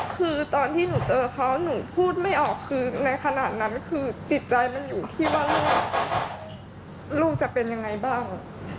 คือตอนที่หนูเจอเขาหนูพูดไม่ออกคือในขณะนั้นคือจิตใจมันอยู่ที่ว่าลูกจะเป็นยังไงบ้าง